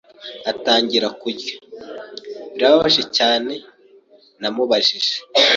atangira kurya. “Birababaje cyane?” Namubajije.